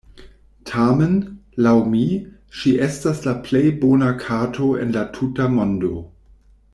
Tamen, laŭ mi, ŝi estas la plej bona kato en la tuta mondo.